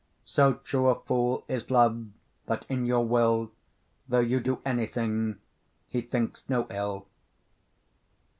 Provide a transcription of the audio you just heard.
So true a fool is love, that in your will, Though you do anything, he thinks no ill.